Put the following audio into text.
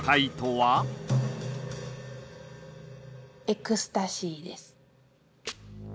エクスタシーです。